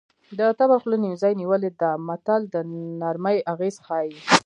د تبر خوله نیمڅي نیولې ده متل د نرمۍ اغېز ښيي